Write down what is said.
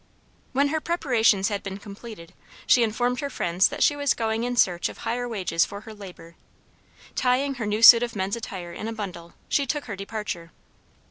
When her preparations had been completed, she informed her friends that she was going in search of higher wages for her labor. Tieing her new suit of men's attire in a bundle, she took her departure.